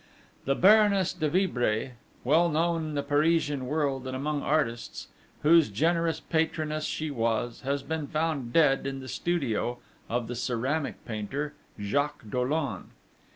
The Baroness de Vibray, well known in the Parisian world and among artists, whose generous patroness she was, has been found dead in the studio of the ceramic painter, Jacques Dollon.